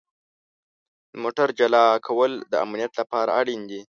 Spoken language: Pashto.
د موټر جلا کول د امنیت لپاره اړین دي.